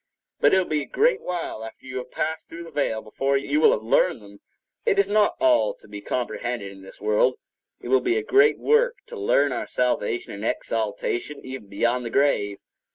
But it will be a great while after you have passed through the veil before you will have learned them. It is not all to be comprehended in this world; it will be a great work to learn our salvation and exaltation even beyond the grave.